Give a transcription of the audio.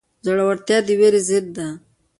زړورتیا د وېرې ضد ده.